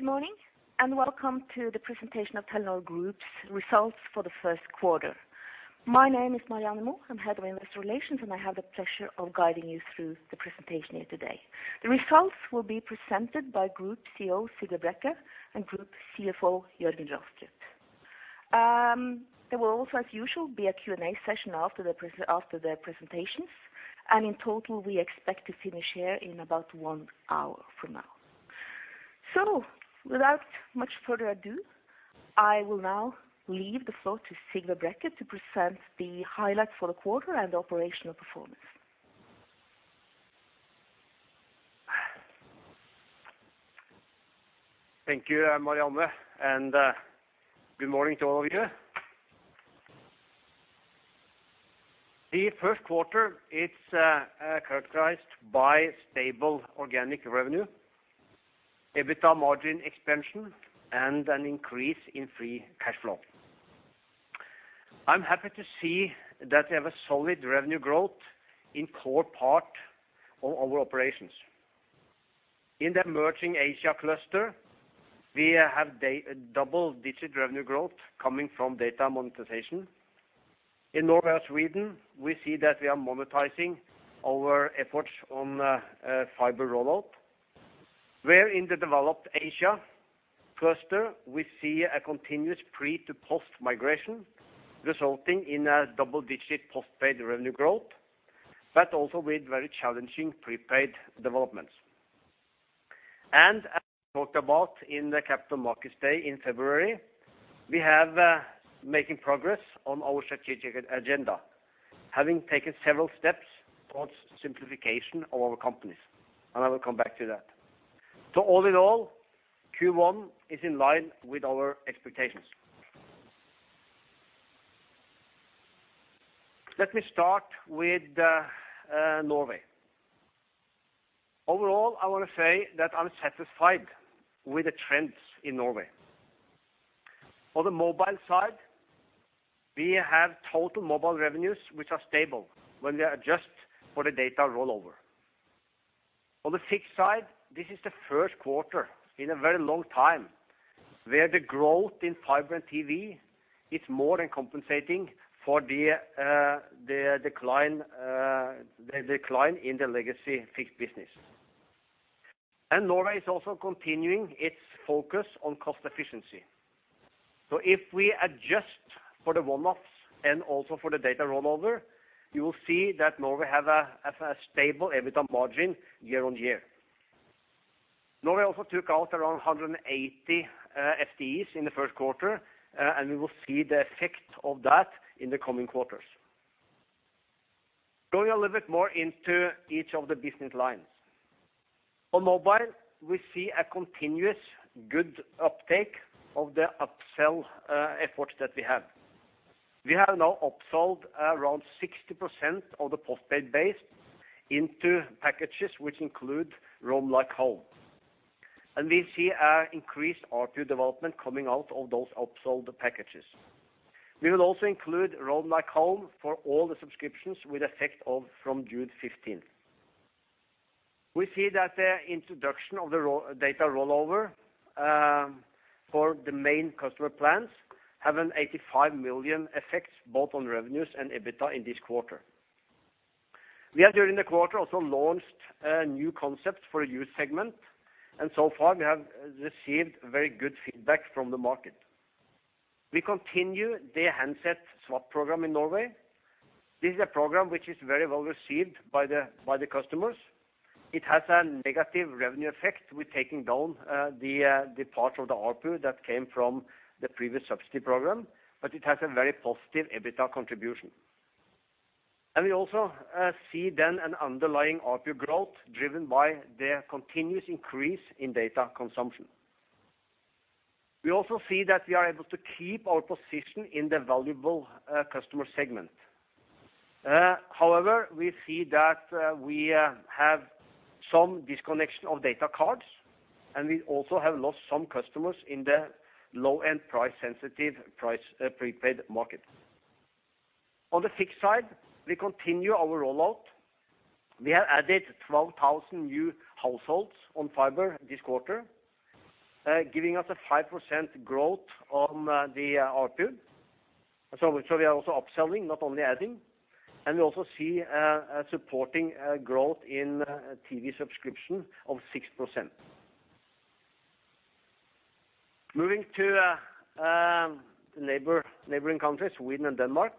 Good morning, and welcome to the presentation of Telenor Group's results for the 1Q. My name is Marianne Åmo, I'm head of Investor Relations, and I have the pleasure of guiding you through the presentation here today. The results will be presented by Group CEO, Sigve Brekke, and Group CFO, Jørgen C. Arentz Rostrup. There will also, as usual, be a Q&A session after the presentations, and in total, we expect to finish here in about one hour from now. Without much further ado, I will now leave the floor to Sigve Brekke to present the highlights for the quarter and the operational performance. Thank you, Marianne, and good morning to all of you. The 1Q, it's characterized by stable organic revenue, EBITDA margin expansion, and an increase in free cash flow. I'm happy to see that we have a solid revenue growth in core part of our operations. In the emerging Asia cluster, we have double-digit revenue growth coming from data monetization. In Norway, Sweden, we see that we are monetizing our efforts on fiber rollout, where in the developed Asia cluster, we see a continuous pre to post migration, resulting in a double-digit postpaid revenue growth, but also with very challenging prepaid developments. As we talked about in the Capital Markets Day in February, we have making progress on our strategic agenda, having taken several steps towards simplification of our companies, and I will come back to that. So all in all, Q1 is in line with our expectations. Let me start with Norway. Overall, I want to say that I'm satisfied with the trends in Norway. On the mobile side, we have total mobile revenues, which are stable when we adjust for the Data Rollover. On the fixed side, this is the 1Q in a very long time, where the growth in fiber and TV is more than compensating for the decline in the legacy fixed business. And Norway is also continuing its focus on cost efficiency. So if we adjust for the one-offs and also for the Data Rollover, you will see that Norway have a stable EBITDA margin year-on-year. Norway also took out around 180 FTEs in the 1Q, and we will see the effect of that in the coming quarters. Going a little bit more into each of the business lines. On mobile, we see a continuous good uptake of the upsell efforts that we have. We have now upsold around 60% of the postpaid base into packages, which include Roam Like Home. We see a increased ARPU development coming out of those upsold packages. We will also include Roam Like Home for all the subscriptions with effect of from June 15th. We see that the introduction of the roaming Data Rollover for the main customer plans have 85 million effects, both on revenues and EBITDA in this quarter. We have, during the quarter, also launched a new concept for a youth segment, and so far, we have received very good feedback from the market. We continue the handset swap program in Norway. This is a program which is very well received by the customers. It has a negative revenue effect with taking down the part of the ARPU that came from the previous subsidy program, but it has a very positive EBITDA contribution. And we also see then an underlying ARPU growth, driven by the continuous increase in data consumption. We also see that we are able to keep our position in the valuable customer segment. However, we see that we have some disconnection of data cards, and we also have lost some customers in the low-end, price-sensitive, price prepaid market. On the fixed side, we continue our rollout. We have added 12,000 new households on fiber this quarter, giving us a 5% growth on the ARPU. So, we are also upselling, not only adding, and we also see a supporting growth in TV subscription of 6%. Moving to the neighboring countries, Sweden and Denmark.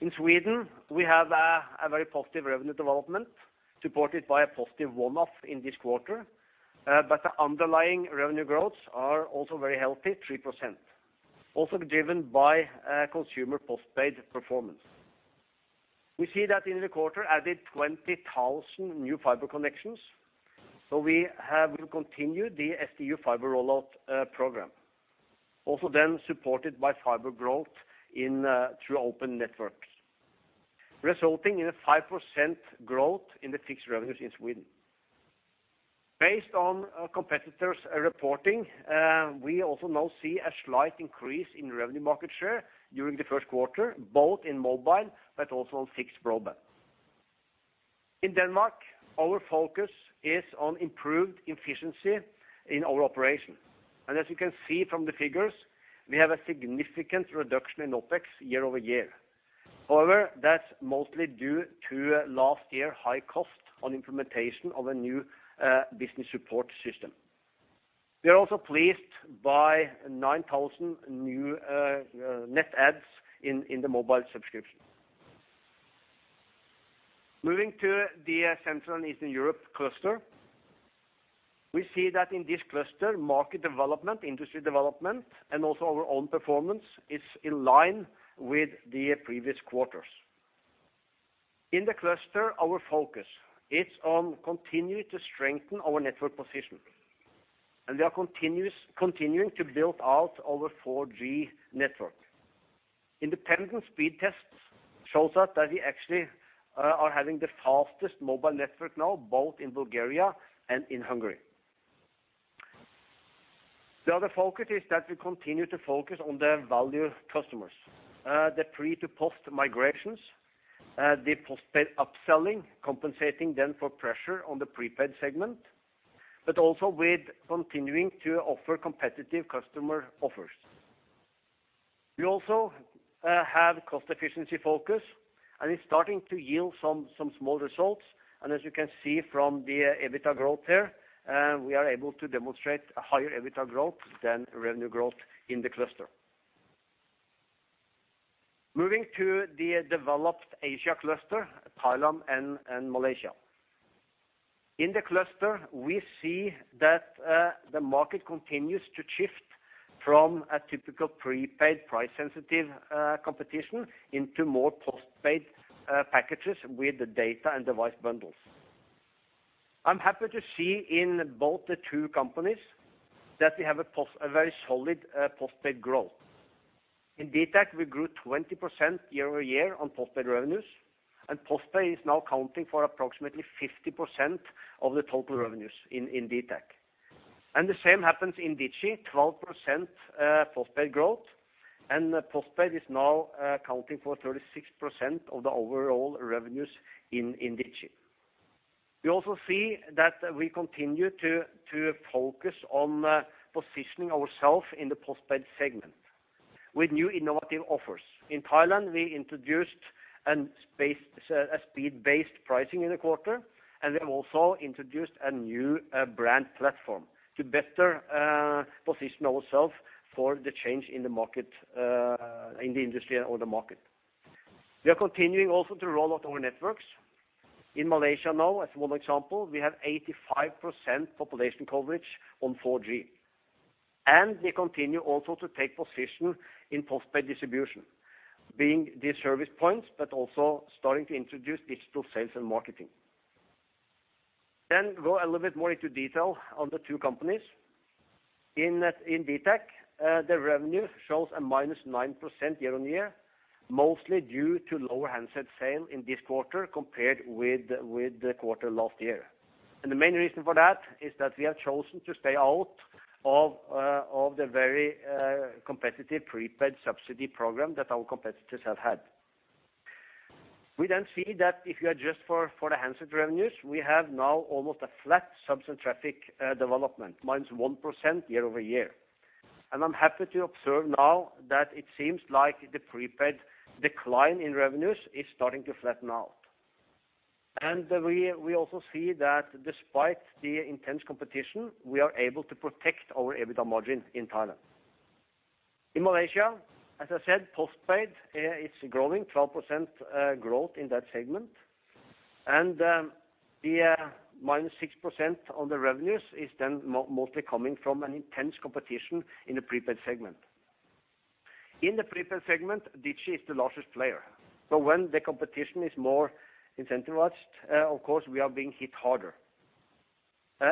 In Sweden, we have a very positive revenue development, supported by a positive one-off in this quarter, but the underlying revenue growths are also very healthy, 3%, also driven by a consumer postpaid performance. We see that in the quarter added 20,000 new fiber connections, so we have continued the SDU fiber rollout program, also then supported by fiber growth through open networks, resulting in a 5% growth in the fixed revenues in Sweden. Based on our competitors' reporting, we also now see a slight increase in revenue market share during the 1Q, both in mobile, but also on fixed broadband. In Denmark, our focus is on improved efficiency in our operation. As you can see from the figures, we have a significant reduction in OpEx year-over-year. However, that's mostly due to last year high cost on implementation of a new business support system. We are also pleased by 9,000 new net adds in the mobile subscription. Moving to the Central and Eastern Europe cluster, we see that in this cluster, market development, industry development, and also our own performance is in line with the previous quarters. In the cluster, our focus is on continuing to strengthen our network position, and we are continuing to build out our 4G network. Independent speed tests shows us that we actually are having the fastest mobile network now, both in Bulgaria and in Hungary. The other focus is that we continue to focus on the value customers, the pre to post migrations, the postpaid upselling, compensating them for pressure on the prepaid segment, but also with continuing to offer competitive customer offers. We also have cost efficiency focus, and it's starting to yield some small results. And as you can see from the EBITDA growth there, we are able to demonstrate a higher EBITDA growth than revenue growth in the cluster. Moving to the Developed Asia cluster, Thailand and Malaysia. In the cluster, we see that the market continues to shift from a typical prepaid, price-sensitive competition into more postpaid packages with the data and device bundles. I'm happy to see in both the two companies that we have a very solid postpaid growth. In dtac, we grew 20% year-over-year on postpaid revenues, and postpaid is now accounting for approximately 50% of the total revenues in dtac. The same happens in Digi, 12% postpaid growth, and postpaid is now accounting for 36% of the overall revenues in Digi. We also see that we continue to focus on positioning ourself in the postpaid segment with new innovative offers. In Thailand, we introduced a speed-based pricing in the quarter, and we also introduced a new brand platform to better position ourself for the change in the market in the industry or the market. We are continuing also to roll out our networks. In Malaysia now, as one example, we have 85% population coverage on 4G, and we continue also to take position in postpaid distribution, being the service points, but also starting to introduce digital sales and marketing. Then go a little bit more into detail on the two companies. In dtac, the revenue shows a -9% year-on-year, mostly due to lower handset sale in this quarter compared with the quarter last year. And the main reason for that is that we have chosen to stay out of the very competitive prepaid subsidy program that our competitors have had. We then see that if you adjust for the handset revenues, we have now almost a flat subset traffic development, -1% year-over-year. I'm happy to observe now that it seems like the prepaid decline in revenues is starting to flatten out. We, we also see that despite the intense competition, we are able to protect our EBITDA margin in Thailand. In Malaysia, as I said, postpaid it's growing, 12% growth in that segment. The -6% on the revenues is then mostly coming from an intense competition in the prepaid segment. In the prepaid segment, Digi is the largest player. So when the competition is more incentivized, of course, we are being hit harder.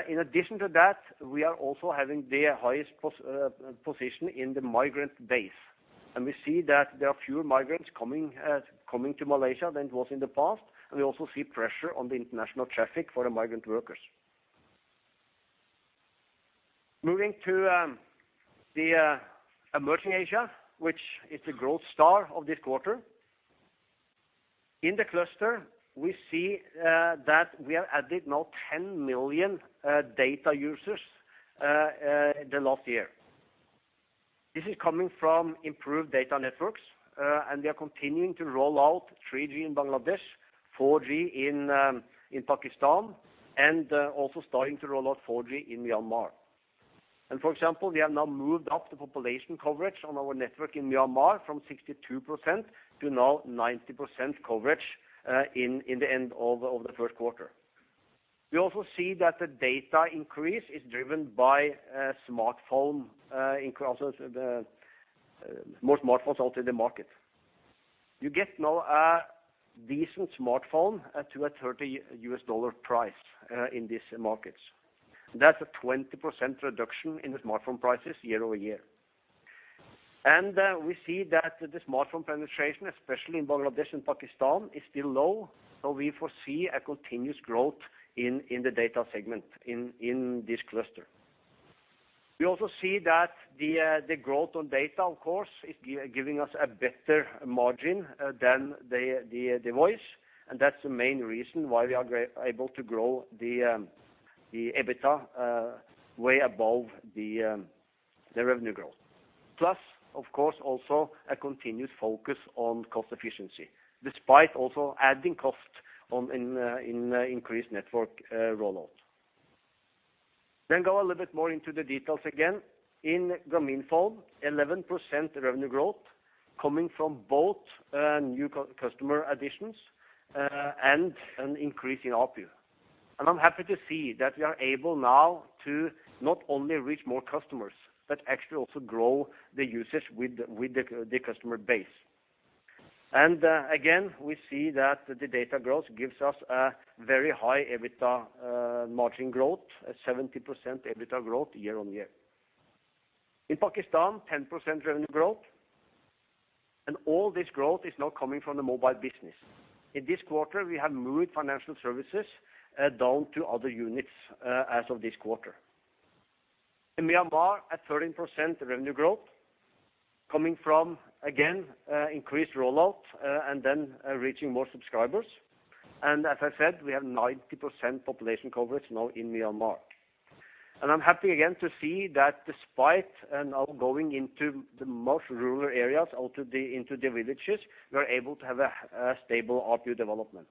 In addition to that, we are also having the highest position in the migrant base, and we see that there are fewer migrants coming to Malaysia than it was in the past, and we also see pressure on the international traffic for the migrant workers. Moving to the Emerging Asia, which is the growth star of this quarter. In the cluster, we see that we have added now 10 million data users in the last year. This is coming from improved data networks, and we are continuing to roll out 3G in Bangladesh, 4G in Pakistan, and also starting to roll out 4G in Myanmar. For example, we have now moved up the population coverage on our network in Myanmar from 62% to now 90% coverage, in the end of the 1Q. We also see that the data increase is driven by smartphone increases, more smartphones out in the market. You get now a decent smartphone at $230 price, in these markets. That's a 20% reduction in the smartphone prices year-over-year. And we see that the smartphone penetration, especially in Bangladesh and Pakistan, is still low, so we foresee a continuous growth in the data segment in this cluster. We also see that the growth on data, of course, is giving us a better margin than the voice, and that's the main reason why we are able to grow the EBITDA way above the revenue growth. Plus, of course, also a continued focus on cost efficiency, despite also adding cost on increased network rollout. Then go a little bit more into the details again. In Grameenphone, 11% revenue growth coming from both new customer additions and an increase in ARPU. And I'm happy to see that we are able now to not only reach more customers, but actually also grow the usage with the customer base. Again, we see that the data growth gives us a very high EBITDA margin growth, a 70% EBITDA growth year-on-year. In Pakistan, 10% revenue growth, and all this growth is now coming from the mobile business. In this quarter, we have moved financial services down to other units as of this quarter. In Myanmar, a 13% revenue growth coming from, again, increased rollout and then reaching more subscribers. And as I said, we have 90% population coverage now in Myanmar. And I'm happy again to see that despite and now going into the villages, we are able to have a stable ARPU development.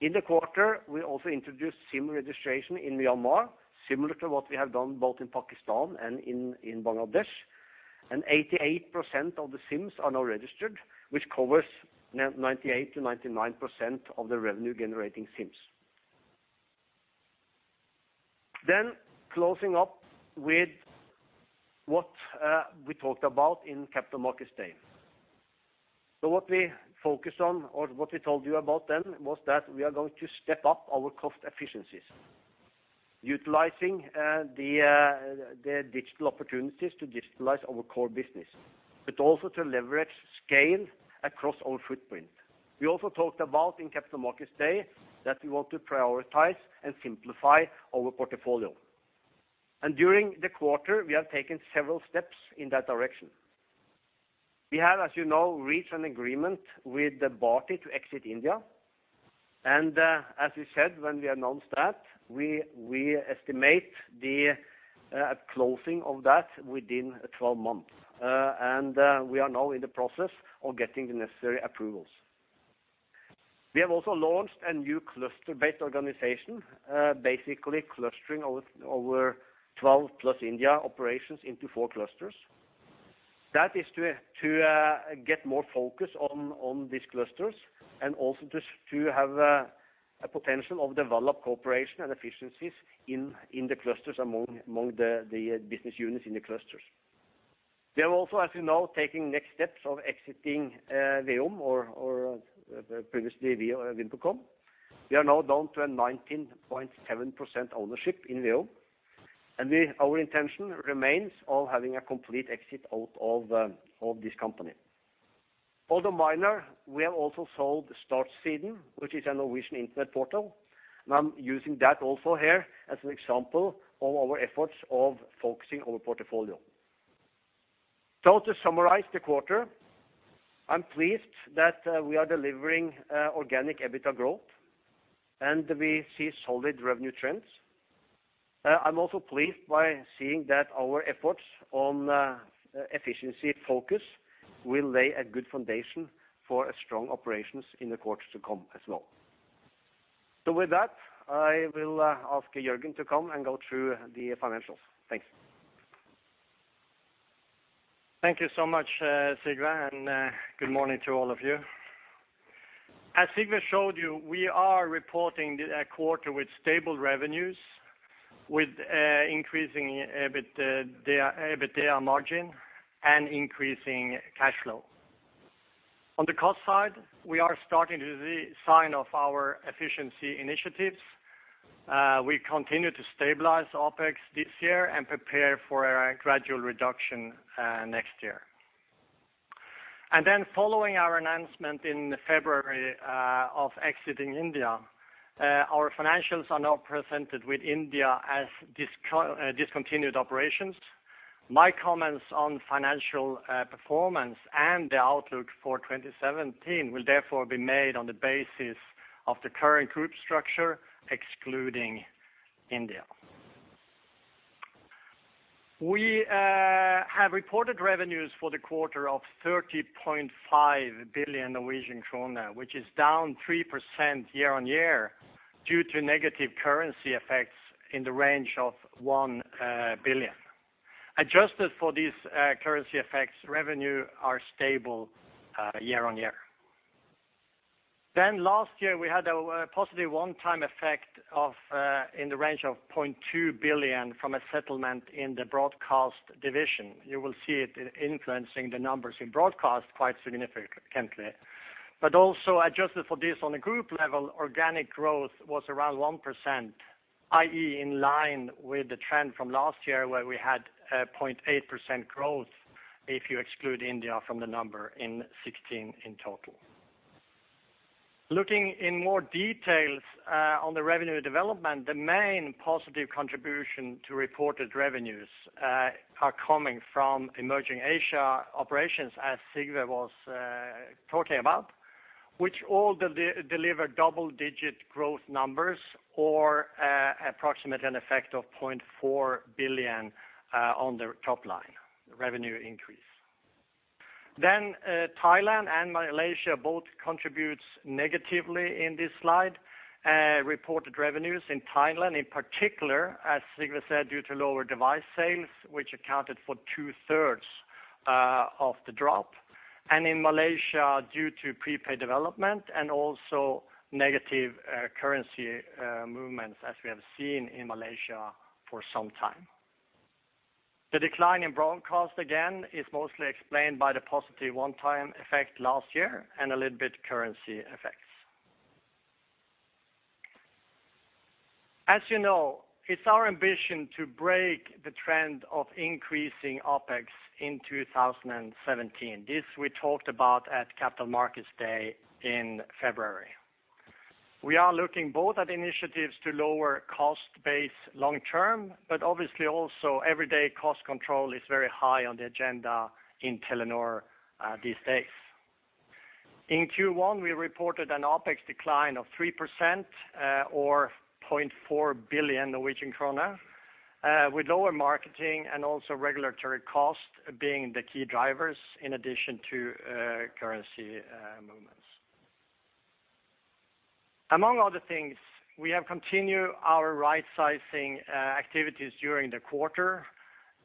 In the quarter, we also introduced SIM registration in Myanmar, similar to what we have done both in Pakistan and in Bangladesh, and 88% of the SIMs are now registered, which covers 98%-99% of the revenue-generating SIMs. Then closing up with what we talked about in Capital Markets Day. So what we focused on, or what we told you about then, was that we are going to step up our cost efficiencies, utilizing the digital opportunities to digitalize our core business, but also to leverage scale across our footprint. We also talked about in Capital Markets Day that we want to prioritize and simplify our portfolio. During the quarter, we have taken several steps in that direction. We have, as you know, reached an agreement with Bharti to exit India, and, as we said when we announced that, we estimate the closing of that within 12 months. And, we are now in the process of getting the necessary approvals. We have also launched a new cluster-based organization, basically clustering our 12-plus India operations into 4 clusters. That is to get more focus on these clusters and also to have a potential of developed cooperation and efficiencies in the clusters among the business units in the clusters. We are also, as you know, taking next steps of exiting VEON or previously VimpelCom. We are now down to a 19.7% ownership in VEON, and our intention remains of having a complete exit out of this company. Although minor, we have also sold Startsiden, which is a Norwegian internet portal, and I'm using that also here as an example of our efforts of focusing our portfolio. So to summarize the quarter, I'm pleased that we are delivering organic EBITDA growth, and we see solid revenue trends. I'm also pleased by seeing that our efforts on efficiency focus will lay a good foundation for a strong operations in the quarters to come as well. So with that, I will ask Jørgen to come and go through the financials. Thanks. Thank you so much, Sigve, and good morning to all of you. As Sigve showed you, we are reporting a quarter with stable revenues, with increasing EBIT, EBITDA margin and increasing cash flow. On the cost side, we are starting to see signs of our efficiency initiatives. We continue to stabilize OpEx this year and prepare for a gradual reduction next year. Following our announcement in February of exiting India, our financials are now presented with India as discontinued operations. My comments on financial performance and the outlook for 2017 will therefore be made on the basis of the current group structure, excluding India. We have reported revenues for the quarter of 30.5 billion Norwegian krone, which is down 3% year-on-year due to negative currency effects in the range of 1 billion. Adjusted for these, currency effects, revenue are stable, year-on-year. Then last year, we had a, positive one-time effect of, in the range of 0.2 billion from a settlement in the broadcast division. You will see it in influencing the numbers in broadcast quite significantly. But also adjusted for this on a group level, organic growth was around 1%, i.e., in line with the trend from last year, where we had, 0.8% growth if you exclude India from the number in 2016 in total.... Looking in more details, on the revenue development, the main positive contribution to reported revenues, are coming from emerging Asia operations, as Sigve was, talking about, which all deliver double-digit growth numbers or, approximate an effect of 0.4 billion, on the top line revenue increase. Thailand and Malaysia both contribute negatively in this slide. Reported revenues in Thailand, in particular, as Sigve said, due to lower device sales, which accounted for two-thirds of the drop, and in Malaysia, due to prepaid development and also negative currency movements, as we have seen in Malaysia for some time. The decline in broadcast, again, is mostly explained by the positive one-time effect last year and a little bit currency effects. As you know, it's our ambition to break the trend of increasing OpEx in 2017. This we talked about at Capital Markets Day in February. We are looking both at initiatives to lower cost base long term, but obviously also everyday cost control is very high on the agenda in Telenor these days. In Q1, we reported an OpEx decline of 3%, or 0.4 billion Norwegian krone, with lower marketing and also regulatory costs being the key drivers in addition to currency movements. Among other things, we have continued our right-sizing activities during the quarter,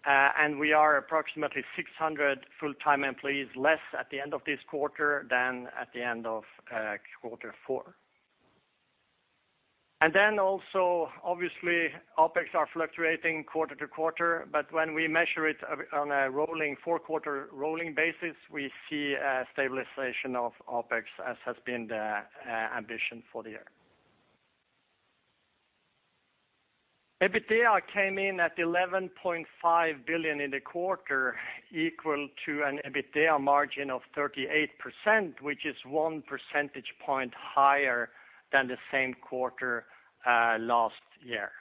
and we are approximately 600 full-time employees less at the end of this quarter than at the end of quarter four. Then also, obviously, OpEx are fluctuating quarter to quarter, but when we measure it on a rolling, four-quarter rolling basis, we see a stabilization of OpEx, as has been the ambition for the year. EBITDA came in at 11.5 billion in the quarter, equal to an EBITDA margin of 38%, which is one percentage point higher than the same quarter last year.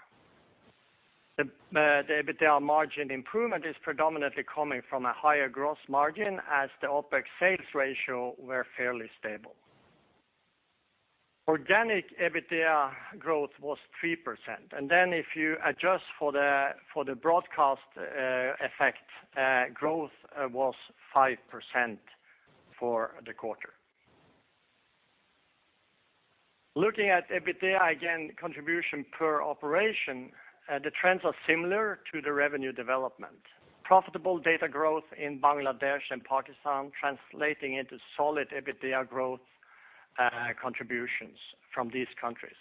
The EBITDA margin improvement is predominantly coming from a higher gross margin as the OpEx sales ratio were fairly stable. Organic EBITDA growth was 3%, and then if you adjust for the, for the broadcast effect, growth was 5% for the quarter. Looking at EBITDA, again, contribution per operation, the trends are similar to the revenue development. Profitable data growth in Bangladesh and Pakistan translating into solid EBITDA growth, contributions from these countries.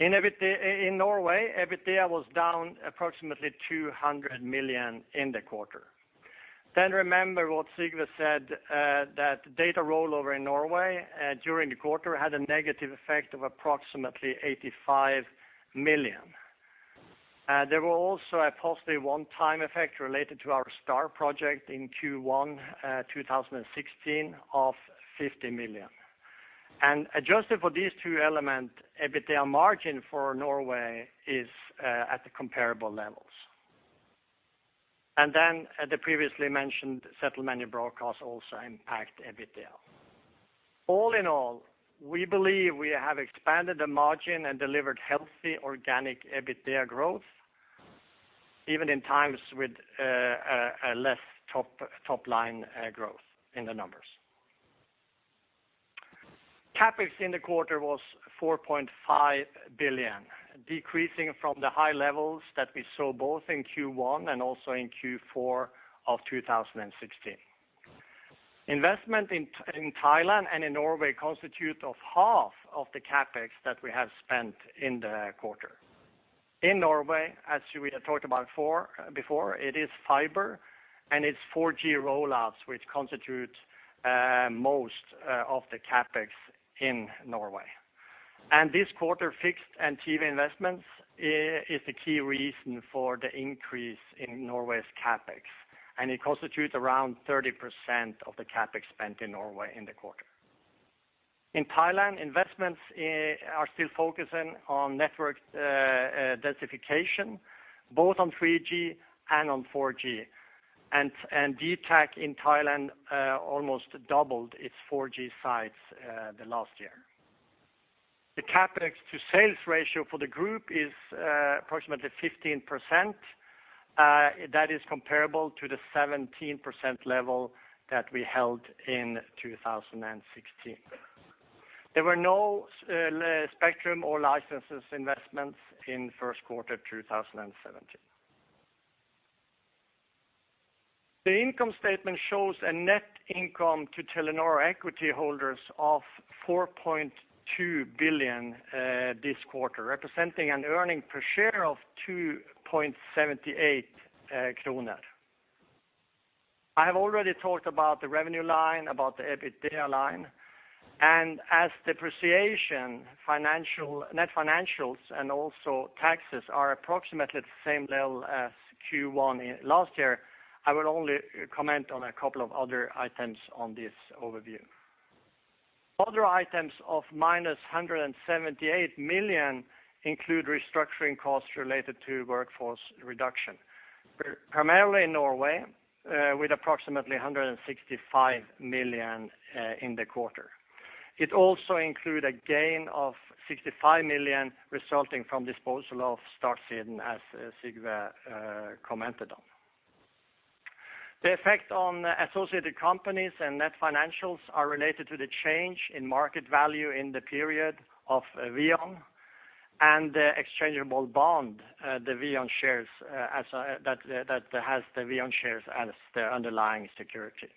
In EBITDA in Norway, EBITDA was down approximately 200 million in the quarter. Then remember what Sigve said, that Data Rollover in Norway during the quarter had a negative effect of approximately 85 million. There were also a positive one-time effect related to our STAR project in Q1, 2016 of 50 million. Adjusted for these two elements, EBITDA margin for Norway is at the comparable levels. Then, as the previously mentioned, settlement in broadcast also impact EBITDA. All in all, we believe we have expanded the margin and delivered healthy organic EBITDA growth, even in times with a less top line growth in the numbers. CapEx in the quarter was 4.5 billion, decreasing from the high levels that we saw both in Q1 and also in Q4 of 2016. Investment in Thailand and in Norway constitute of half of the CapEx that we have spent in the quarter. In Norway, as we had talked about before, it is fiber, and it's 4G rollouts, which constitute most of the CapEx in Norway. This quarter, fixed and TV investments is the key reason for the increase in Norway's CapEx, and it constitutes around 30% of the CapEx spent in Norway in the quarter. In Thailand, investments are still focusing on network densification, both on 3G and on 4G. dtac in Thailand almost doubled its 4G sites the last year. The CapEx to sales ratio for the group is approximately 15%, that is comparable to the 17% level that we held in 2016. There were no spectrum or licenses investments in 1Q 2017. The income statement shows a net income to Telenor equity holders of 4.2 billion this quarter, representing an earnings per share of 2.78 kroner. I have already talked about the revenue line, about the EBITDA line, and as depreciation, financials, net financials, and also taxes are approximately the same level as Q1 in last year, I will only comment on a couple of other items on this overview. Other items of -178 million include restructuring costs related to workforce reduction, primarily in Norway, with approximately 165 million in the quarter. It also include a gain of 65 million resulting from disposal of Startsiden, as Sigve commented on. The effect on associated companies and net financials are related to the change in market value in the period of VEON and the exchangeable bond, the VEON shares, as that has the VEON shares as the underlying security.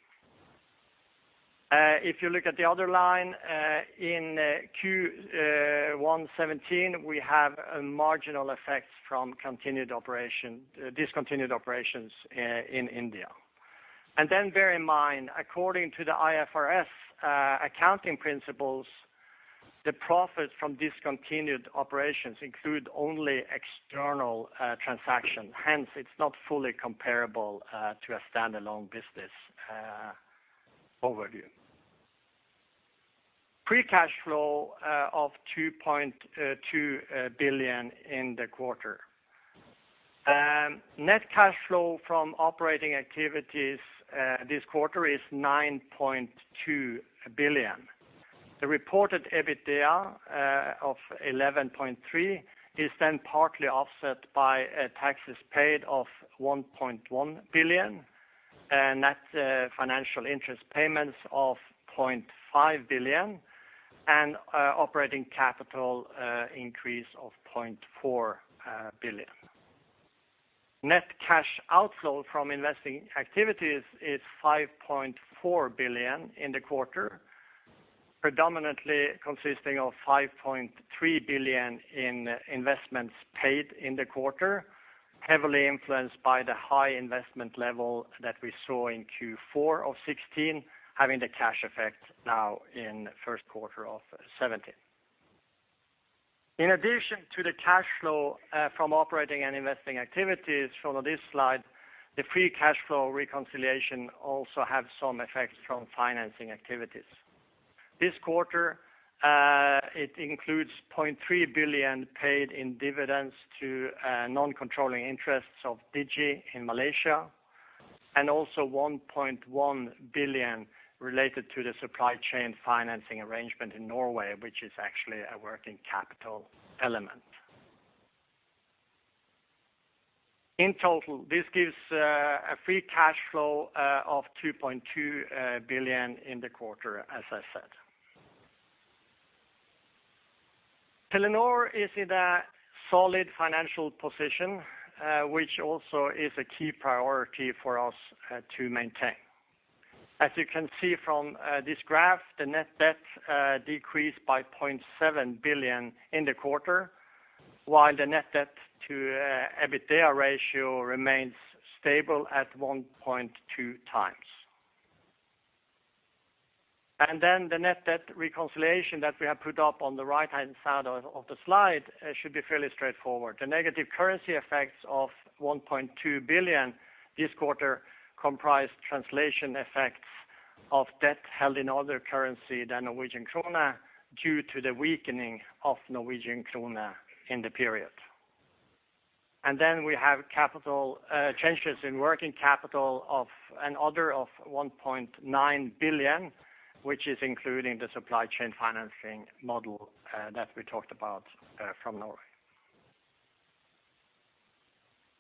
If you look at the other line, in Q1 2017, we have a marginal effect from continued operation—discontinued operations, in India. And then bear in mind, according to the IFRS accounting principles, the profits from discontinued operations include only external transaction. Hence, it's not fully comparable to a standalone business overview. Free cash flow of 2.2 billion in the quarter. Net cash flow from operating activities this quarter is 9.2 billion. The reported EBITDA of 11.3 billion is then partly offset by taxes paid of 1.1 billion, and net financial interest payments of 0.5 billion, and operating capital increase of 0.4 billion. Net cash outflow from investing activities is 5.4 billion in the quarter, predominantly consisting of 5.3 billion in investments paid in the quarter, heavily influenced by the high investment level that we saw in Q4 of 2016, having the cash effect now in 1Q of 2017. In addition to the cash flow from operating and investing activities from this slide, the free cash flow reconciliation also have some effects from financing activities. This quarter, it includes 0.3 billion paid in dividends to non-controlling interests of Digi in Malaysia, and also 1.1 billion related to the supply chain financing arrangement in Norway, which is actually a working capital element. In total, this gives a free cash flow of 2.2 billion in the quarter, as I said. Telenor is in a solid financial position, which also is a key priority for us, to maintain. As you can see from this graph, the net debt decreased by 0.7 billion in the quarter, while the net debt to EBITDA ratio remains stable at 1.2x. Then the net debt reconciliation that we have put up on the right-hand side of the slide should be fairly straightforward. The negative currency effects of 1.2 billion this quarter comprised translation effects of debt held in other currency than Norwegian krone, due to the weakening of Norwegian krone in the period. Then we have capital changes in working capital and other of 1.9 billion, which is including the supply chain financing model that we talked about from Norway.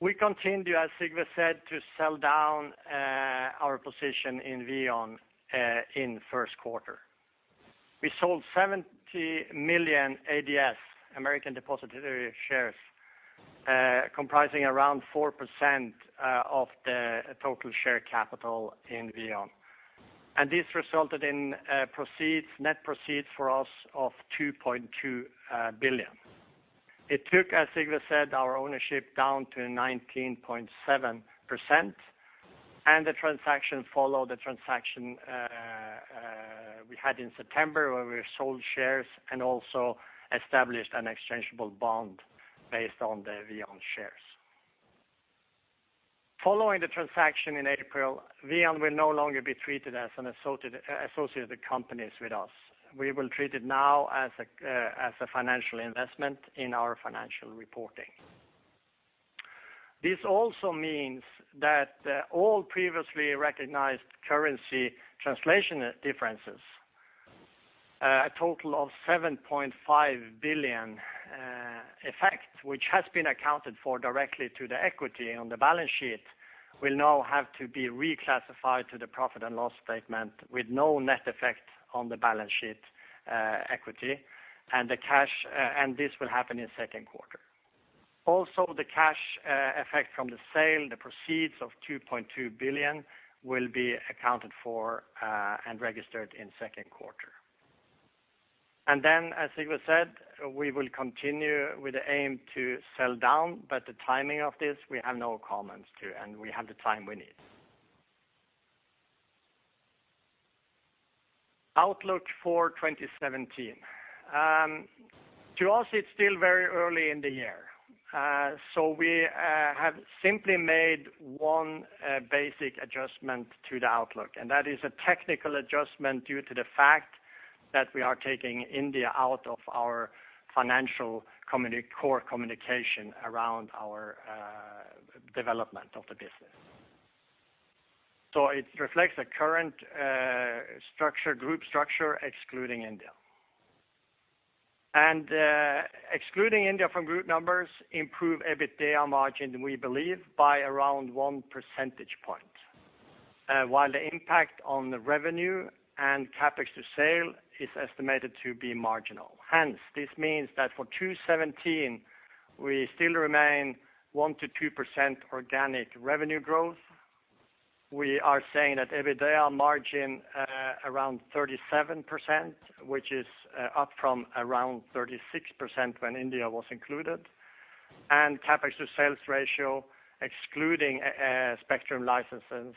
We continue, as Sigve said, to sell down our position in VEON in 1Q. We sold 70 million ADS, American Depositary Shares, comprising around 4% of the total share capital in VEON. And this resulted in proceeds, net proceeds for us of 2.2 billion. It took, as Sigve said, our ownership down to 19.7%, and the transaction followed the transaction we had in September, where we sold shares and also established an exchangeable bond based on the VEON shares. Following the transaction in April, VEON will no longer be treated as an associated companies with us. We will treat it now as a financial investment in our financial reporting. This also means that, all previously recognized currency translation differences, a total of 7.5 billion effect, which has been accounted for directly to the equity on the balance sheet, will now have to be reclassified to the profit and loss statement with no net effect on the balance sheet, equity, and the cash, and this will happen in second quarter. Also, the cash effect from the sale, the proceeds of 2.2 billion, will be accounted for, and registered in second quarter. And then, as Sigve said, we will continue with the aim to sell down, but the timing of this, we have no comments to, and we have the time we need. Outlook for 2017. To us, it's still very early in the year. So we have simply made one basic adjustment to the outlook, and that is a technical adjustment due to the fact that we are taking India out of our financial core communication around our development of the business. So it reflects the current structure, group structure, excluding India. And excluding India from group numbers improve EBITDA margin, we believe, by around one percentage point while the impact on the revenue and CapEx to sale is estimated to be marginal. Hence, this means that for 2017, we still remain 1%-2% organic revenue growth. We are saying that EBITDA margin around 37%, which is up from around 36% when India was included, and CapEx to sales ratio, excluding spectrum licenses,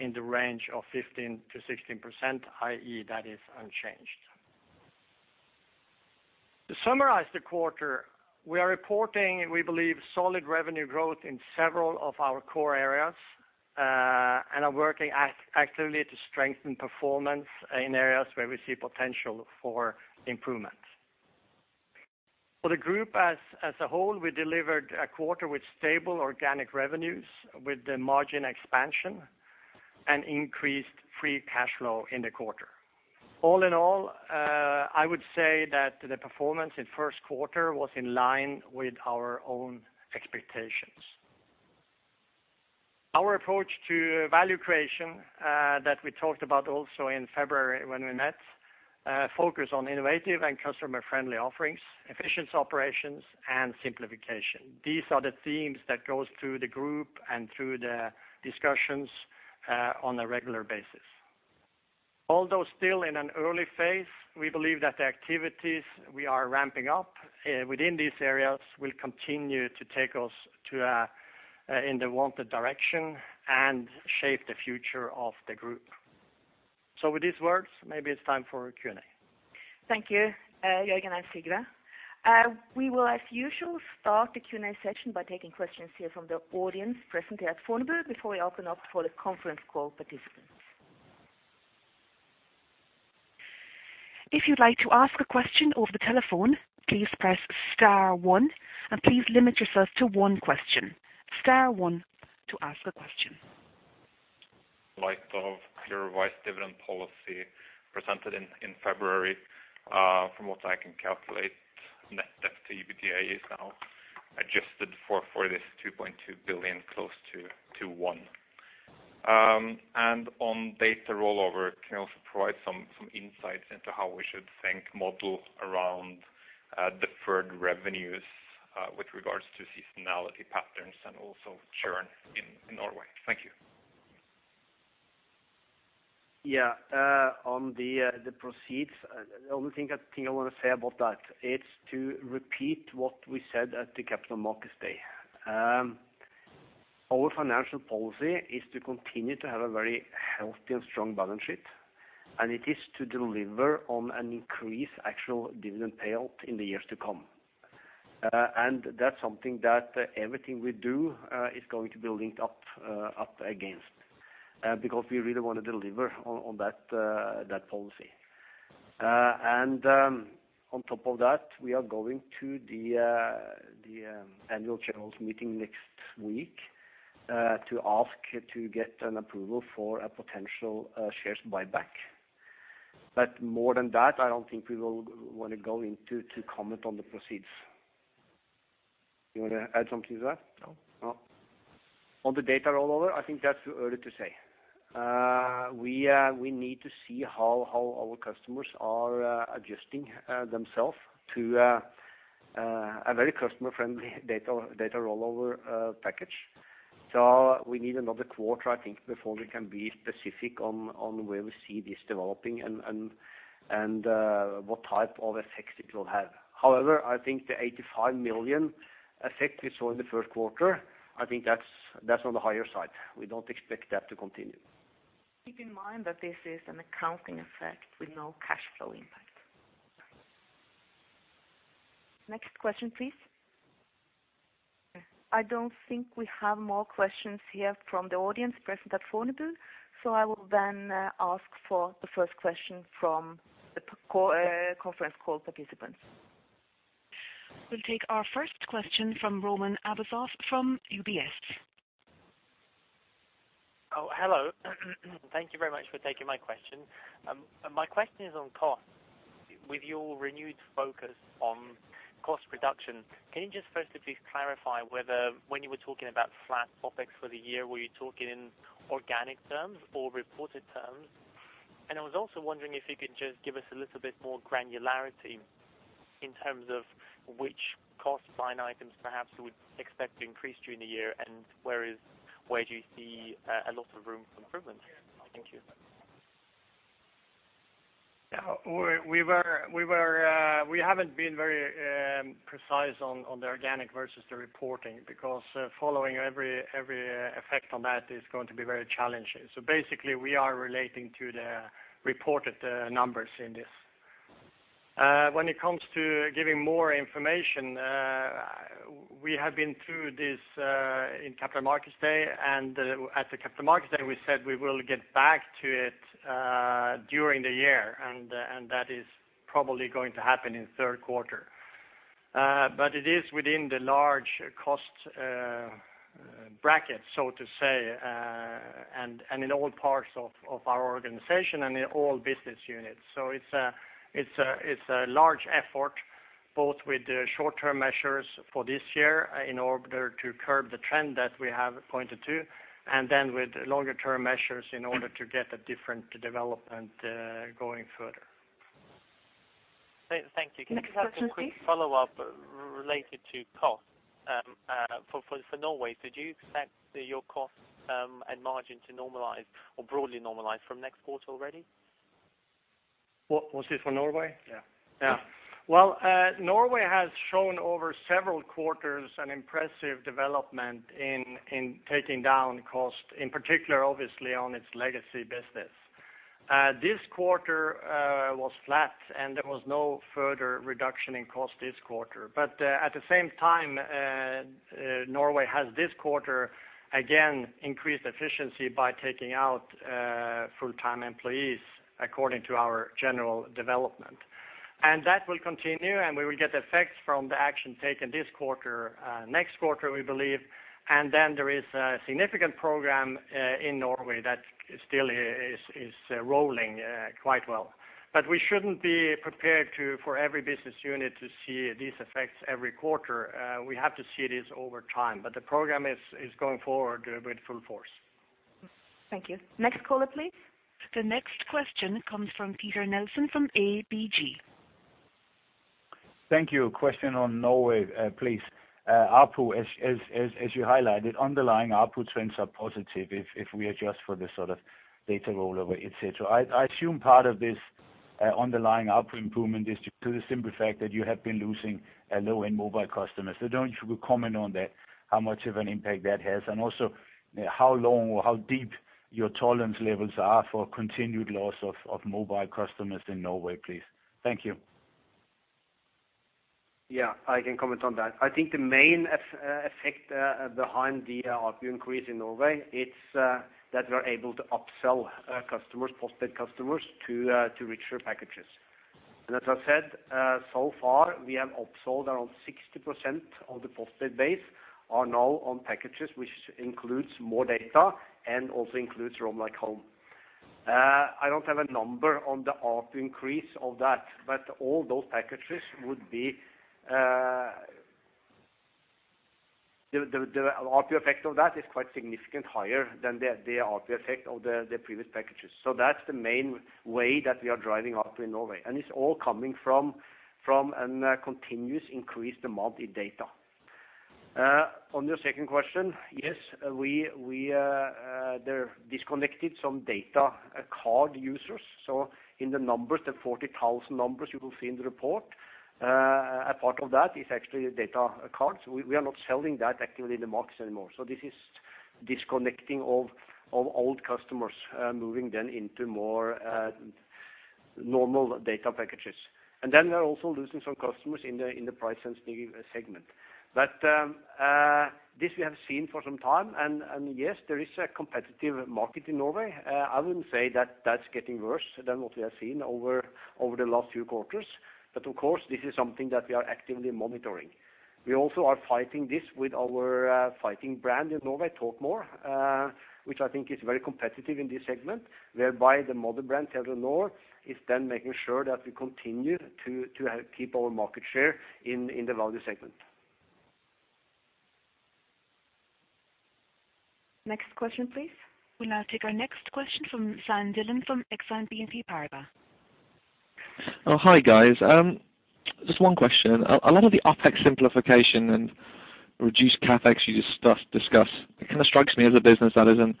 in the range of 15%-16%, i.e. that is unchanged. To summarize the quarter, we are reporting, we believe, solid revenue growth in several of our core areas, and are working actively to strengthen performance in areas where we see potential for improvement. For the group as a whole, we delivered a quarter with stable organic revenues, with the margin expansion and increased free cash flow in the quarter. All in all, I would say that the performance in 1Q was in line with our own expectations. Our approach to value creation, that we talked about also in February when we met, focus on innovative and customer-friendly offerings, efficient operations, and simplification. These are the themes that goes through the group and through the discussions, on a regular basis. Although still in an early phase, we believe that the activities we are ramping up within these areas will continue to take us to in the wanted direction and shape the future of the group. So with these words, maybe it's time for Q&A. Thank you, Jørgen and Sigve. We will, as usual, start the Q&A session by taking questions here from the audience presently at Fornebu, before we open up for the conference call participants. If you'd like to ask a question over the telephone, please press star one, and please limit yourself to one question. Star one to ask a question. light of your revised dividend policy presented in February, from what I can calculate, net debt to EBITDA is now adjusted for this 2.2 billion, close to one. And on Data Rollover, can you also provide some insight into how we should think model around deferred revenues with regards to seasonality patterns and also churn in Norway? Thank you. Yeah. On the proceeds, the only thing that I think I wanna say about that, it's to repeat what we said at the Capital Markets Day. Our financial policy is to continue to have a very healthy and strong balance sheet, and it is to deliver on an increased actual dividend payout in the years to come. And that's something that everything we do is going to be linked up against, because we really wanna deliver on that policy. And on top of that, we are going to the annual general meeting next week to ask to get an approval for a potential shares buyback. But more than that, I don't think we will wanna go into comment on the proceeds. You wanna add something to that? No. No. On the Data Rollover, I think that's too early to say. We need to see how our customers are adjusting themselves to a very customer-friendly Data Rollover package. So we need another quarter, I think, before we can be specific on where we see this developing and what type of effects it will have. However, I think the 85 million effect we saw in the 1Q, I think that's on the higher side. We don't expect that to continue. Keep in mind that this is an accounting effect with no cash flow impact. Next question, please. I don't think we have more questions here from the audience present at Fornebu, so I will then ask for the first question from the conference call participants. We'll take our first question from Roman Arbuzov from UBS. Oh, hello. Thank you very much for taking my question. My question is on cost. With your renewed focus on cost reduction, can you just first please clarify whether when you were talking about flat OpEx for the year, were you talking in organic terms or reported terms? And I was also wondering if you could just give us a little bit more granularity in terms of which cost line items, perhaps, we would expect to increase during the year, and where is- where do you see, a lot of room for improvement? Thank you. Yeah. We haven't been very precise on the organic versus the reporting, because following every effect on that is going to be very challenging. So basically, we are relating to the reported numbers in this. When it comes to giving more information, we have been through this in Capital Markets Day, and at the Capital Markets Day, we said we will get back to it during the year, and that is probably going to happen in third quarter. But it is within the large cost bracket, so to say, and in all parts of our organization and in all business units. It's a large effort, both with the short-term measures for this year, in order to curb the trend that we have pointed to, and then with longer-term measures in order to get a different development going further. Thank you. Next question, please. Can I just have a quick follow-up related to cost for Norway? Did you expect your costs and margin to normalize or broadly normalize from next quarter already? What, was this for Norway? Yeah. Yeah. Well, Norway has shown over several quarters an impressive development in taking down cost, in particular, obviously, on its legacy business. This quarter was flat, and there was no further reduction in cost this quarter. But at the same time, Norway has this quarter, again, increased efficiency by taking out full-time employees according to our general development. And that will continue, and we will get effects from the action taken this quarter, next quarter, we believe. And then there is a significant program in Norway that still is rolling quite well. But we shouldn't be prepared to, for every business unit to see these effects every quarter. We have to see this over time, but the program is going forward with full force. Thank you. Next caller, please. The next question comes from Peter Nielsen from ABG. Thank you. Question on Norway, please. ARPU, as you highlighted, underlying ARPU trends are positive if we adjust for the sort of Data Rollover, et cetera. I assume part of this underlying ARPU improvement is due to the simple fact that you have been losing low-end mobile customers. So don't you comment on that, how much of an impact that has, and also, how long or how deep your tolerance levels are for continued loss of mobile customers in Norway, please? Thank you. Yeah, I can comment on that. I think the main effect behind the ARPU increase in Norway, it's that we are able to upsell customers, postpaid customers, to richer packages. And as I said, so far, we have upsold around 60% of the postpaid base are now on packages, which includes more data and also includes Roam Like Home. I don't have a number on the ARPU increase of that, but all those packages would be... The ARPU effect of that is quite significant higher than the ARPU effect of the previous packages. So that's the main way that we are driving ARPU in Norway, and it's all coming from a continuous increase the monthly data. On your second question, yes, we disconnected some data card users. So in the numbers, the 40,000 numbers you will see in the report, a part of that is actually data cards. We are not selling that actively in the markets anymore. So this is disconnecting of old customers, moving then into more normal data packages. And then we are also losing some customers in the price-sensitive segment. But this we have seen for some time, and yes, there is a competitive market in Norway. I wouldn't say that that's getting worse than what we have seen over the last few quarters, but of course, this is something that we are actively monitoring. We also are fighting this with our fighting brand in Norway, Talkmore, which I think is very competitive in this segment, whereby the mother brand, Telenor, is then making sure that we continue to keep our market share in the value segment. Next question, please. We'll now take our next question from Simon Dillon from Exane BNP Paribas. Oh, hi, guys. Just one question. A lot of the OpEx simplification and reduced CapEx you just discussed, it kind of strikes me as a business that isn't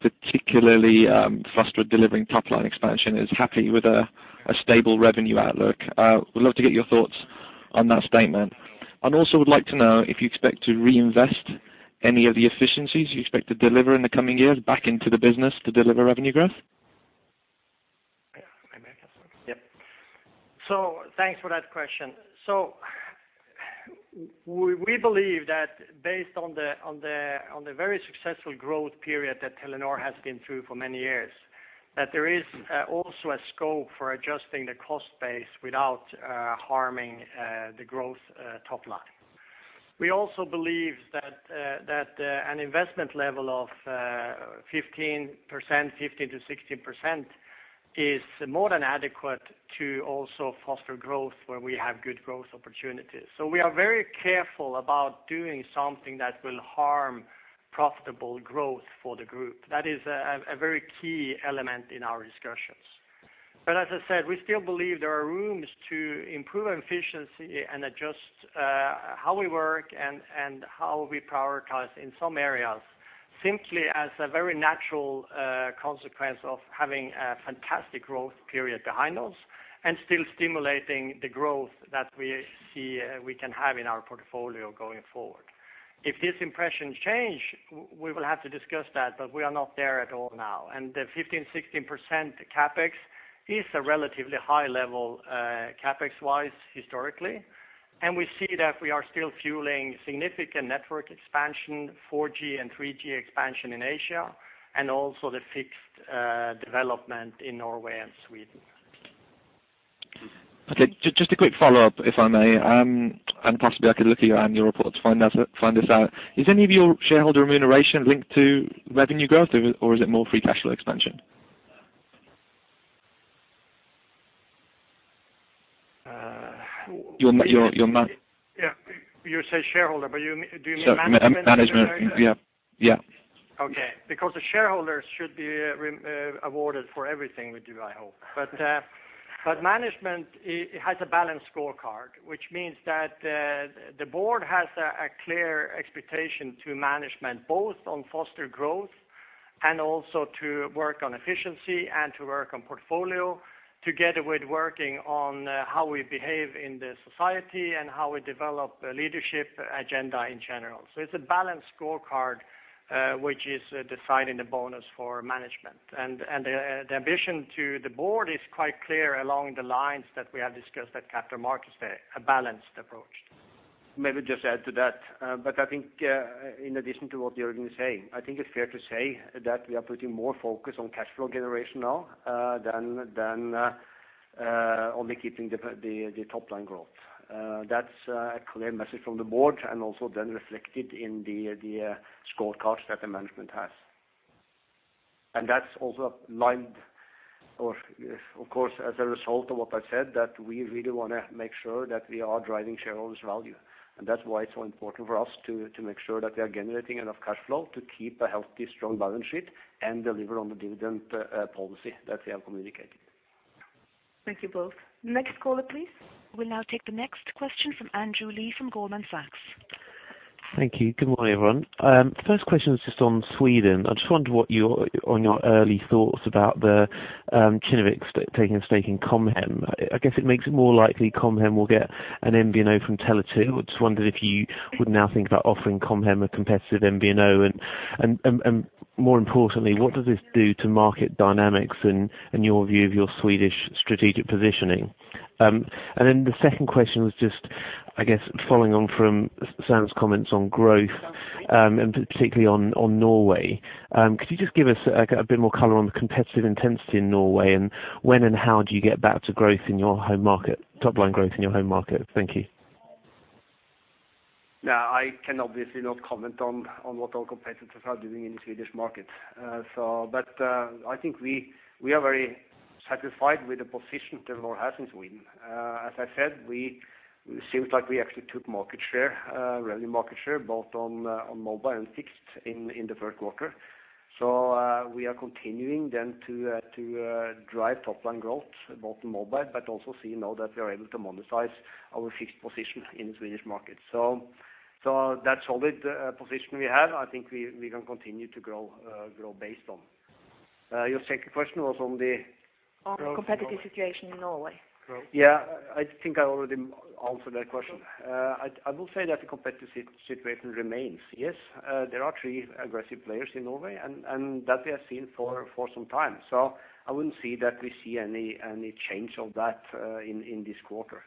particularly frustrated delivering top line expansion, is happy with a stable revenue outlook. Would love to get your thoughts on that statement. I'd also would like to know if you expect to reinvest any of the efficiencies you expect to deliver in the coming years back into the business to deliver revenue growth? Yeah, maybe I can... Yep. So thanks for that question. So we believe that based on the very successful growth period that Telenor has been through for many years, that there is also a scope for adjusting the cost base without harming the growth top line. We also believe that an investment level of 15%, 15%-16%, is more than adequate to also foster growth where we have good growth opportunities. So we are very careful about doing something that will harm profitable growth for the group. That is a very key element in our discussions. But as I said, we still believe there are rooms to improve efficiency and adjust how we work and how we prioritize in some areas. simply as a very natural consequence of having a fantastic growth period behind us, and still stimulating the growth that we see we can have in our portfolio going forward. If these impressions change, we will have to discuss that, but we are not there at all now. And the 15%-16% CapEx is a relatively high level, CapEx-wise historically, and we see that we are still fueling significant network expansion, 4G and 3G expansion in Asia, and also the fixed development in Norway and Sweden. Okay. Just a quick follow-up, if I may, and possibly I could look at your annual report to find out, find this out. Is any of your shareholder remuneration linked to revenue growth, or is it more free cash flow expansion? Uh. Your m- your, your m- Yeah, you say shareholder, but do you mean management? Sorry, management. Yeah. Yeah. Okay, because the shareholders should be rewarded for everything we do, I hope. But management has a balanced scorecard, which means that the board has a clear expectation to management, both on foster growth and also to work on efficiency and to work on portfolio, together with working on how we behave in the society and how we develop a leadership agenda in general. So it's a balanced scorecard, which is deciding the bonus for management. And the ambition to the board is quite clear along the lines that we have discussed at Capital Markets Day, a balanced approach. Maybe just add to that, but I think, in addition to what Jørgen is saying, I think it's fair to say that we are putting more focus on cash flow generation now, than only keeping the top line growth. That's a clear message from the board, and also then reflected in the scorecards that the management has. And that's also lined or, of course, as a result of what I said, that we really wanna make sure that we are driving shareholders' value. And that's why it's so important for us to make sure that we are generating enough cash flow to keep a healthy, strong balance sheet and deliver on the dividend policy that we have communicated. Thank you both. Next caller, please. We'll now take the next question from Andrew Lee from Goldman Sachs. Thank you. Good morning, everyone. The first question is just on Sweden. I just wondered what your early thoughts about the Kinnevik taking a stake in Com Hem. I guess it makes it more likely Com Hem will get an MVNO from Tele2. I just wondered if you would now think about offering Com Hem a competitive MVNO, and more importantly, what does this do to market dynamics and your view of your Swedish strategic positioning? And then the second question was just, I guess, following on from Sigve's comments on growth, and particularly on Norway. Could you just give us, like, a bit more color on the competitive intensity in Norway, and when and how do you get back to growth in your home market, top-line growth in your home market? Thank you. Yeah, I can obviously not comment on what our competitors are doing in the Swedish market. I think we are very satisfied with the position Telia has in Sweden. As I said, it seems like we actually took market share, revenue market share, both on mobile and fixed in the 1Q. So, we are continuing then to drive top-line growth, both in mobile, but also see now that we are able to monetize our fixed position in the Swedish market. So that's solid position we have. I think we can continue to grow based on. Your second question was on the- On the competitive situation in Norway. Yeah, I think I already answered that question. I will say that the competitive situation remains. Yes, there are three aggressive players in Norway, and that we have seen for some time. So I wouldn't say that we see any change of that in this quarter.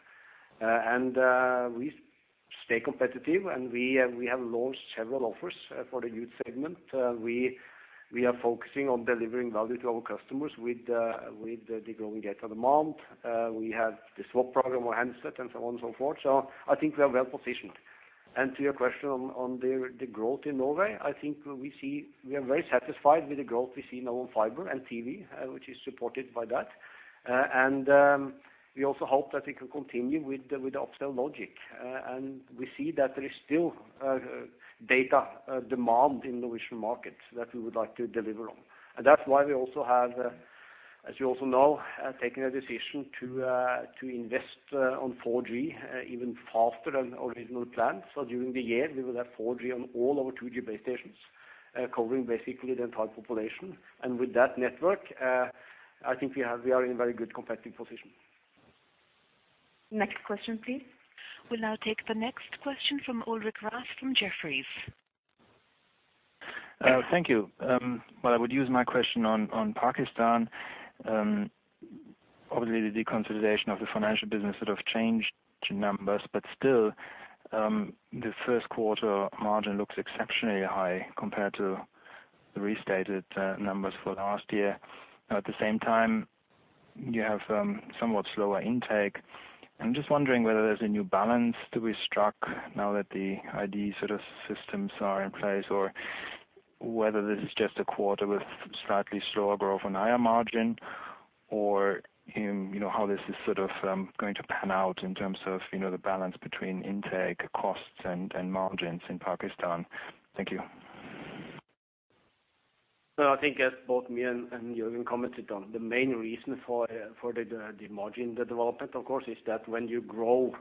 And we stay competitive, and we have launched several offers for the youth segment. We are focusing on delivering value to our customers with the growing data demand. We have the swap program on handset and so on and so forth. So I think we are well positioned. And to your question on the growth in Norway, I think we are very satisfied with the growth we see now on fiber and TV, which is supported by that. And we also hope that it will continue with the upsell logic. And we see that there is still data demand in Norwegian markets that we would like to deliver on. And that's why we also have, as you also know, taken a decision to invest on 4G even faster than original plan. So during the year, we will have 4G on all our 2G base stations, covering basically the entire population. And with that network, I think we are in a very good competitive position. Next question, please. We'll now take the next question from Ulrich Rathe from Jefferies. Well, I would use my question on, on Pakistan. Obviously, the deconsolidation of the financial business sort of changed the numbers, but still, the 1Q margin looks exceptionally high compared to the restated numbers for last year. At the same time, you have somewhat slower intake. I'm just wondering whether there's a new balance to be struck now that the ID sort of systems are in place, or whether this is just a quarter with slightly slower growth and higher margin, or, you know, how this is sort of going to pan out in terms of, you know, the balance between intake, costs, and, and margins in Pakistan. Thank you. ... Well, I think as both me and and Jørgen commented on, the main reason for for the the margin, the development, of course, is that when you grow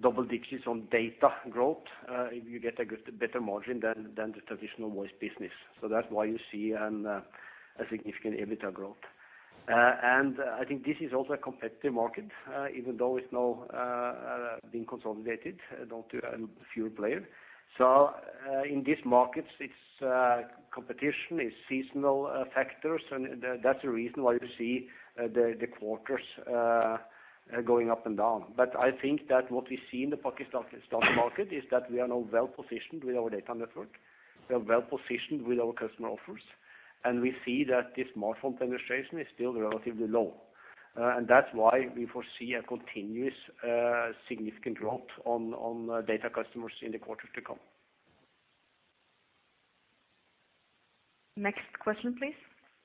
double digits on data growth, you get a good, better margin than than the traditional voice business. So that's why you see an a significant EBITDA growth. And I think this is also a competitive market, even though it's now being consolidated down to a fewer players. So in these markets, it's competition, it's seasonal factors, and that's the reason why you see the the quarters going up and down. But I think that what we see in the Pakistan market is that we are now well-positioned with our data network. We are well-positioned with our customer offers, and we see that this smartphone penetration is still relatively low. And that's why we foresee a continuous, significant growth on data customers in the quarters to come. Next question, please.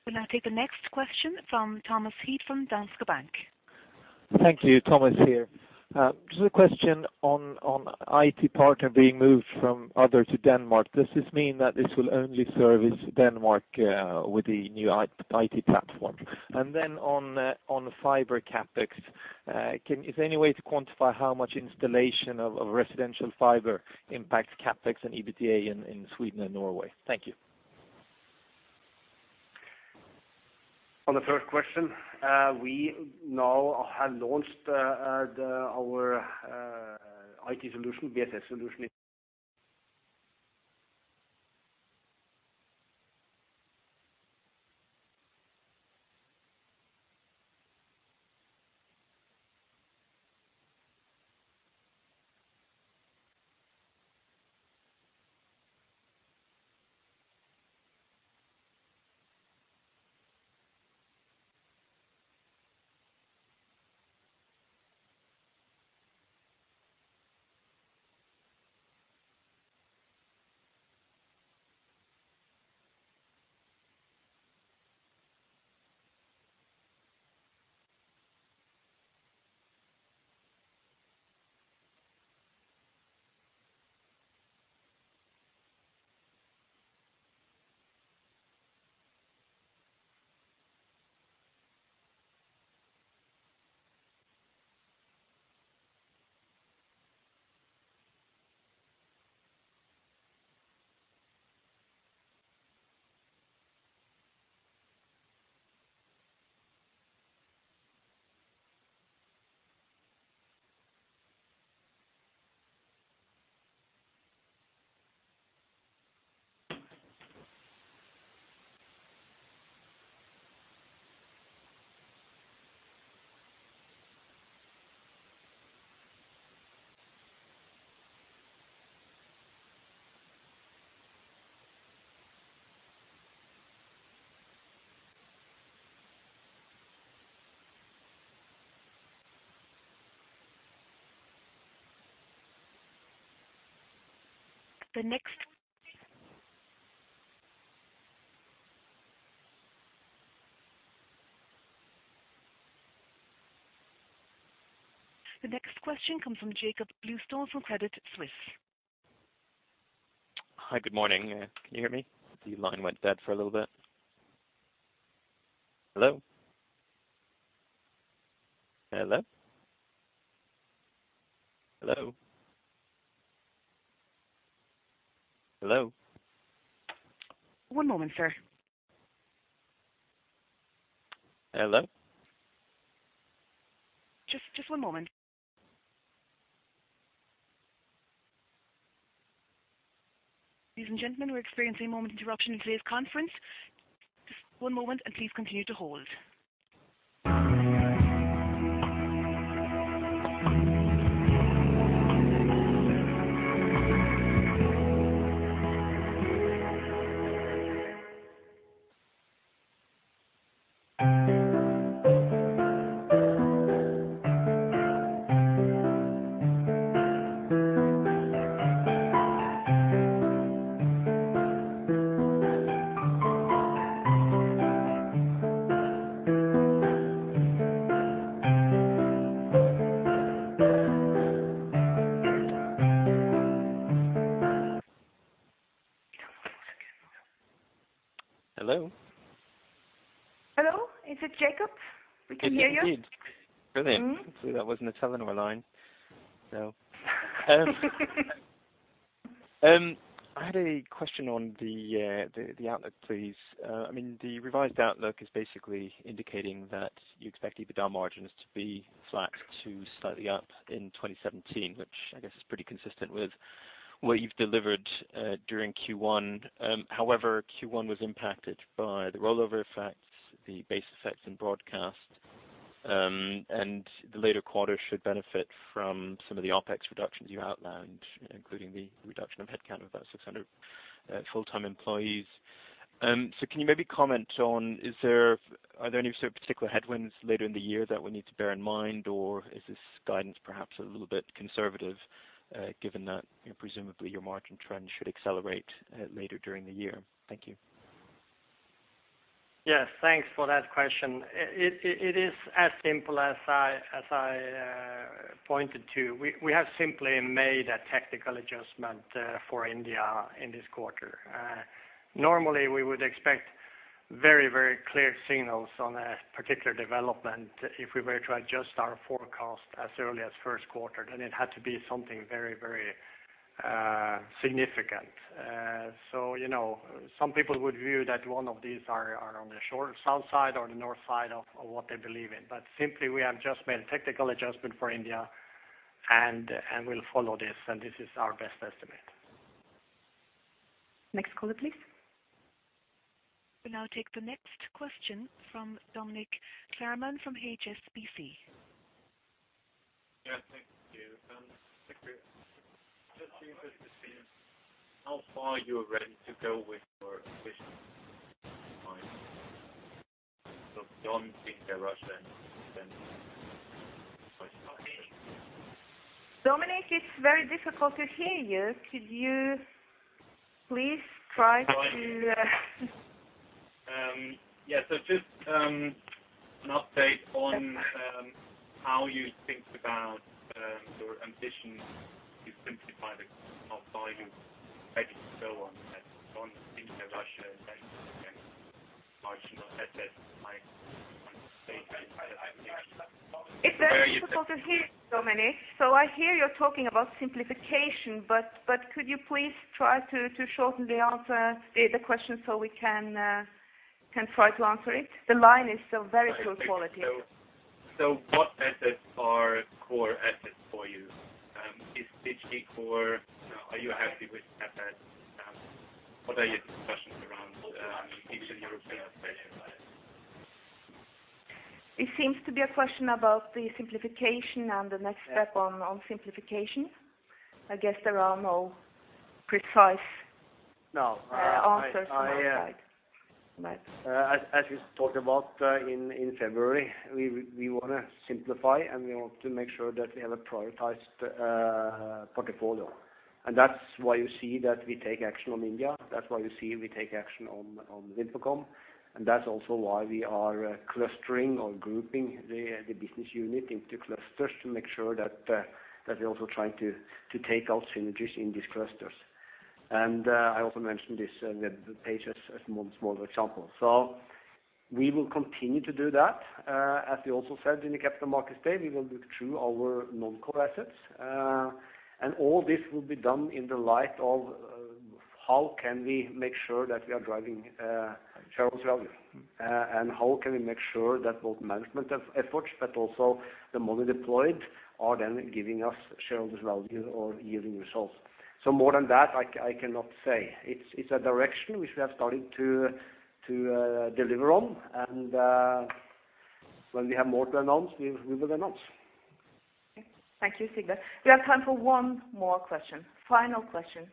We'll now take the next question from Thomas Heath from Danske Bank. Thank you. Thomas here. Just a question on IT partner being moved from other to Denmark. Does this mean that this will only service Denmark with the new IT platform? And then on fiber CapEx, is there any way to quantify how much installation of residential fiber impacts CapEx and EBITDA in Sweden and Norway? Thank you. On the first question, we now have launched our IT solution, BSS solution. The next question comes from Jakob Bluestone from Credit Suisse. Hi, good morning. Can you hear me? The line went dead for a little bit. Hello? Hello? Hello? Hello? One moment, sir. Hello? Just, just one moment. Ladies and gentlemen, we're experiencing a moment interruption in today's conference. Just one moment, and please continue to hold. Hello? Hello, is it Jacob? We can hear you. It is, indeed. Brilliant. Mm-hmm. So that wasn't a telenovela line, so. I had a question on the outlook, please. I mean, the revised outlook is basically indicating that you expect EBITDA margins to be flat to slightly up in 2017, which I guess is pretty consistent with what you've delivered during Q1. However, Q1 was impacted by the rollover effects, the base effects in broadcast, and the later quarters should benefit from some of the OpEx reductions you outlined, including the reduction of headcount of about 600 full-time employees. So can you maybe comment on, is there—are there any sort of particular headwinds later in the year that we need to bear in mind, or is this guidance perhaps a little bit conservative, given that presumably your margin trend should accelerate later during the year? Thank you. Yes, thanks for that question. It is as simple as I pointed to. We have simply made a technical adjustment for India in this quarter. Normally, we would expect very, very clear signals on a particular development if we were to adjust our forecast as early as 1Q, then it had to be something very, very significant. So, you know, some people would view that one of these are on the short side or the long side of what they believe in. But simply, we have just made a technical adjustment for India, and we'll follow this, and this is our best estimate. Next caller, please. We'll now take the next question from Dominik Klarmann from HSBC. Yeah, thank you. Sigve, just interested to see how far you're ready to go with your vision? So don't think that Russia and then- Dominik, it's very difficult to hear you. Could you please try to, Yeah, so just an update on how you think about your ambition to simplify the north value and so on, and don't think that Russia and again, large assets, like- It's very difficult to hear you, Dominik. So I hear you're talking about simplification, but could you please try to shorten the answer, the question, so we can try to answer it? The line is still very poor quality. So, what assets are core assets for you? Is Digi, are you happy with that? What are your discussions around Eastern Europe and Australia? It seems to be a question about the simplification and the next step on, on simplification. I guess there are no precise- No. Answers from our side. As we talked about in February, we want to simplify, and we want to make sure that we have a prioritized portfolio. That's why you see that we take action on India, that's why you see we take action on VimpelCom, and that's also why we are clustering or grouping the business unit into clusters to make sure that we're also trying to take out synergies in these clusters. I also mentioned this with the pages as one small example. So we will continue to do that. As we also said in the capital markets day, we will look through our non-core assets. And all this will be done in the light of how can we make sure that we are driving shareholder value? And how can we make sure that both management of efforts, but also the money deployed, are then giving us shareholders value or yielding results? So more than that, I cannot say. It's a direction which we have started to deliver on, and when we have more to announce, we will announce. Okay. Thank you, Sigve. We have time for one more question. Final question.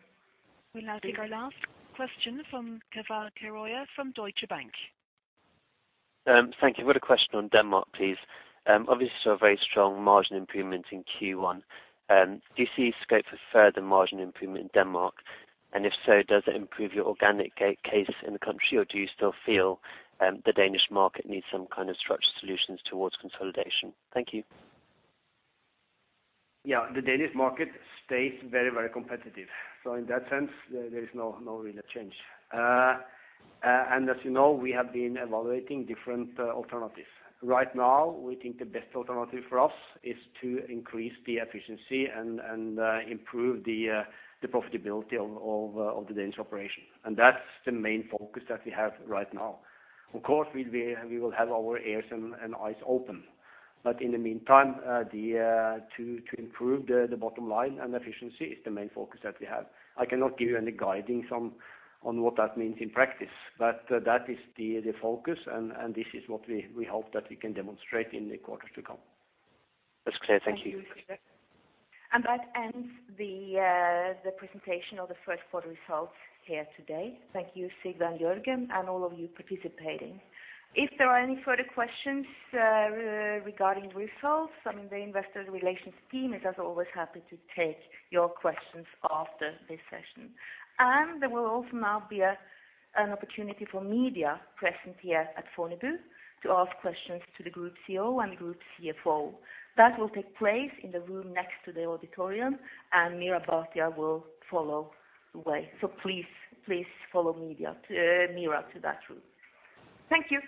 We'll now take our last question from Keval Khiroya from Deutsche Bank. Thank you. I've got a question on Denmark, please. Obviously, saw a very strong margin improvement in Q1. Do you see scope for further margin improvement in Denmark? And if so, does it improve your organic case in the country, or do you still feel the Danish market needs some kind of structured solutions towards consolidation? Thank you. Yeah, the Danish market stays very, very competitive. So in that sense, there is no real change. And as you know, we have been evaluating different alternatives. Right now, we think the best alternative for us is to increase the efficiency and improve the profitability of the Danish operation. And that's the main focus that we have right now. Of course, we'll be. We will have our ears and eyes open. But in the meantime, to improve the bottom line and efficiency is the main focus that we have. I cannot give you any guidance on what that means in practice, but that is the focus, and this is what we hope that we can demonstrate in the quarters to come. That's clear. Thank you. Thank you, Sigve. That ends the presentation of the 1Q results here today. Thank you, Sigve and Jørgen, and all of you participating. If there are any further questions regarding results, I mean, the investor relations team is as always happy to take your questions after this session. There will also now be an opportunity for media present here at Fornebu to ask questions to the group CEO and group CFO. That will take place in the room next to the auditorium, and Meera Bartia will follow the way. Please, please follow media to Meera to that room. Thank you.